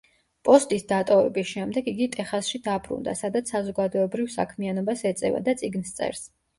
პოსტის დატოვების შემდეგ იგი ტეხასში დაბრუნდა, სადაც საზოგადოებრივ საქმიანობას ეწევა და წიგნს წერს.